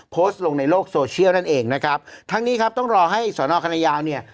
โพสต์ลงในโลกโซเชียลนั่นเองนะครับทั้งนี้ครับต้องรอให้สอนอคณะยาวเนี่ย